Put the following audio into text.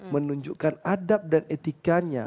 menunjukkan adab dan etikanya